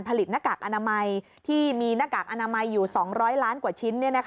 ผลิตนกักอนามัยที่มีนกักอนามัยอยู่๒๐๐ล้านกว่าชิ้น